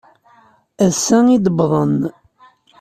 Ass-a i d-wwḍen.